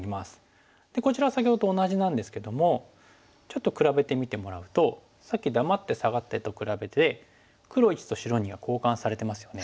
こちらは先ほどと同じなんですけどもちょっと比べてみてもらうとさっき黙ってサガってと比べて黒①と白②が交換されてますよね。